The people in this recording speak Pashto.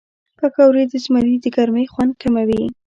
پکورې د زمري د ګرمۍ خوند کموي